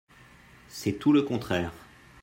C’est tout le contraire.